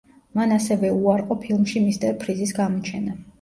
მან ასევე უარყო ფილმში მისტერ ფრიზის გამოჩენა.